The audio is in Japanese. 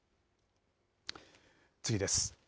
次です。